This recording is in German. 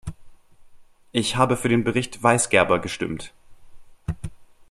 Ich habe für den Bericht Weisgerber gestimmt.